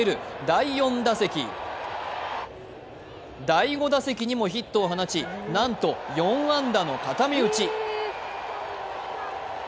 第４打席、第５打席にもヒットを放ちなんと４安打の固め打ち。